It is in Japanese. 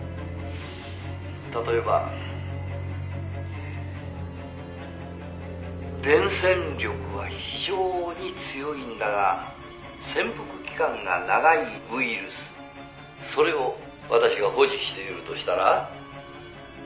「例えば」「伝染力は非常に強いんだが潜伏期間が長いウイルスそれを私が保持しているとしたら」